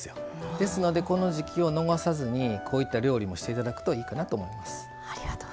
ですので、この時季を逃さずにこういった料理をしていただくといいと思います。